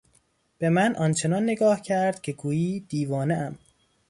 به من آنچنان نگاه کرد که گویی دیوانهام.